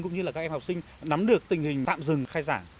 cũng như là các em học sinh nắm được tình hình tạm dừng khai giảng